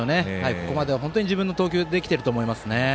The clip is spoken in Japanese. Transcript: ここまでは本当に自分の投球できていると思いますね。